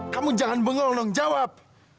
kamu jangan bengong dong jawab